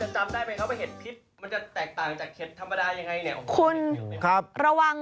แฮทโอ้โหแฮทเยอะจริงจริงเค้าบอกว่าโหมี่